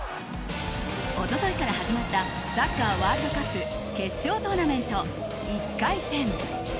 一昨日から始まったサッカーワールドカップ決勝トーナメント１回戦。